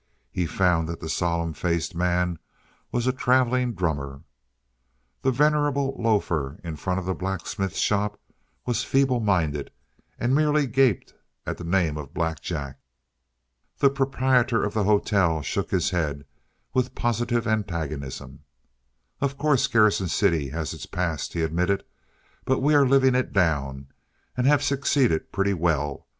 He found that the solemn faced man was a travelling drummer. The venerable loafer in front of the blacksmith's shop was feeble minded, and merely gaped at the name of Black Jack. The proprietor of the hotel shook his head with positive antagonism. "Of course, Garrison City has its past," he admitted, "but we are living it down, and have succeeded pretty well.